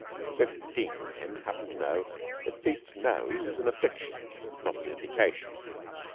Fifteen men happen to know that Pete's nose is an affliction, not an indication.